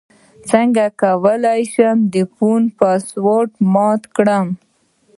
څنګه کولی شم د فون پاسورډ مات کړم